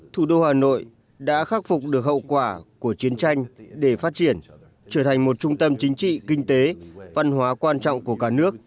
thủ đô hà nội đã khắc phục được hậu quả của chiến tranh để phát triển trở thành một trung tâm chính trị kinh tế văn hóa quan trọng của cả nước